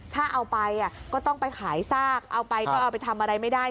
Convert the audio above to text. ถ้าเอาไปก็ต้องไปขายซากเอาไปก็เอาไปทำอะไรไม่ได้